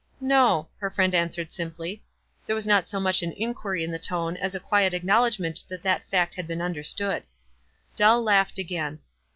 "No," her friend answered, simply. There was not so much an inquiry in the tone as a quiet acknowledgment that that fact had beeu understood. Dell laughed again.